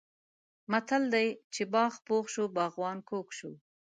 متل دی: چې باغ پوخ شو باغوان کوږ شو.